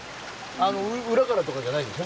あの裏からとかじゃないでしょ？